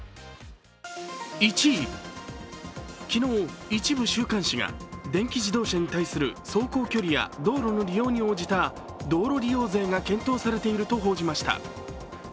１位、昨日、一部週刊誌が電気自動車に対する走行距離や道路の利用に応じた道路利用税が検討されていると報じました。